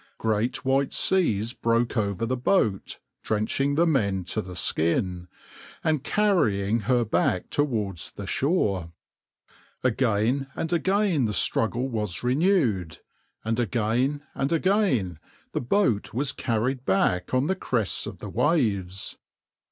Great white seas broke over the boat, drenching the men to the skin, and carrying her back towards the shore. Again and again the struggle was renewed, and again and again the boat was carried back on the crests of the waves.